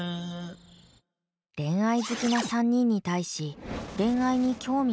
恋愛好きな３人に対し恋愛に興味がないマヤ。